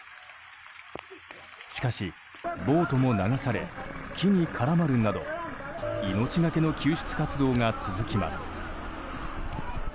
しかし、ボートも流され木に絡まるなど命がけの救出活動が続きます。